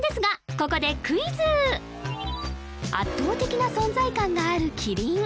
ここでクイズ圧倒的な存在感があるキリン